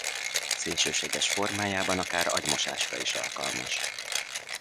Szélsőséges formájában akár agymosásra is alkalmas.